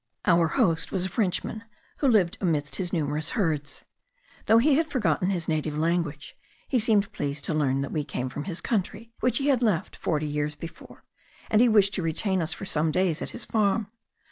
Our host was a Frenchman who lived amidst his numerous herds. Though he had forgotten his native language, he seemed pleased to learn that we came from his country, which he had left forty years before; and he wished to retain us for some days at his farm.